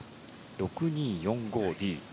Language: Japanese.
６２４５Ｂ。